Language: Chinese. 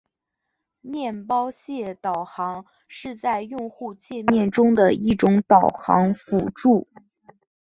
面包屑导航是在用户界面中的一种导航辅助。